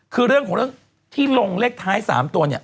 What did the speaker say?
คือเรื่องของเรื่องที่ลงเลขท้าย๓ตัวเนี่ย